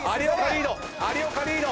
有岡リード。